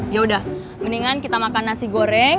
ya udah mendingan kita makan nasi goreng